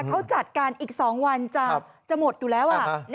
เขาจัดการอีก๒วันจะหมดอยู่แล้ว